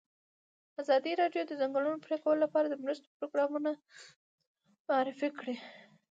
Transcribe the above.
ازادي راډیو د د ځنګلونو پرېکول لپاره د مرستو پروګرامونه معرفي کړي.